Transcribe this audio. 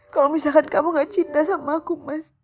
kalau misalkan kamu gak cinta sama aku mas